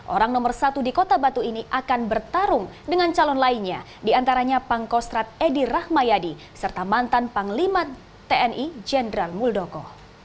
orang nomor satu di kota batu ini akan bertarung dengan calon lainnya diantaranya pangkostrat edi rahmayadi serta mantan panglima tni jenderal muldoko